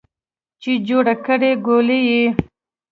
چې جوړه کړې ګولۍ یې